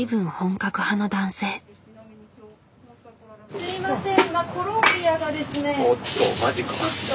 すみません。